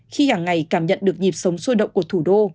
khi hàng ngày cảm nhận được nhịp sống sôi động của thủ đô